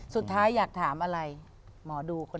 สุดท้ายอยากถามอะไรหมอดูคนดูนั่น